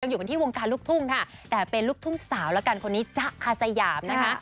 อยู่กันที่วงการลูกทุ่งค่ะแต่เป็นลูกทุ่งสาวแล้วกันคนนี้จ๊ะอาสยามนะคะ